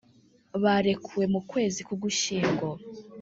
Barekuwe mu kwezi k Ugushyingo